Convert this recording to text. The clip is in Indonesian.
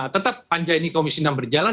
tetap panjaini komisi indang berjalan